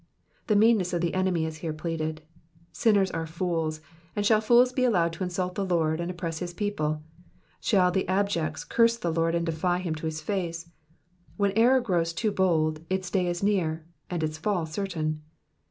^'' The meanness of the enemy is here pleaded. Sinners are fools, and shall fools be allowed to insult the Lord and oppress his people ; shall the abjects curse the Lord and defy him to his face. When errors grows too bold its day is near, and its fall certain.